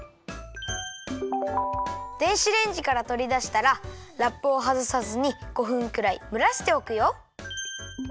電子レンジからとりだしたらラップをはずさずに５分くらいむらしておくよ。